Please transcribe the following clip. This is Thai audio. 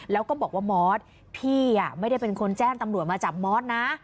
แล้วก็บอกว่ามอสพี่ไม่ได้เป็นคนแจ้งตำรวจมาจับมอสนะ